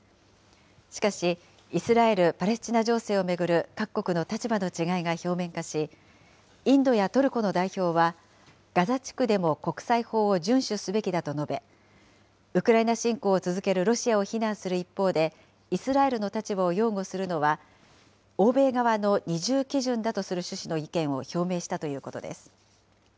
しかし、イスラエル・パレスチナ情勢を巡る各国の立場の違いが表面化し、インドやトルコの代表はガザ地区でも国際法を順守すべきだと述べ、ウクライナ侵攻を続けるロシアを非難する一方で、イスラエルの立場を擁護するのは欧米側の二重基準だとする趣旨の意見を表明したということです。